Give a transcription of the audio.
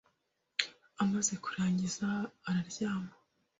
Amaze kurangiza, araryama.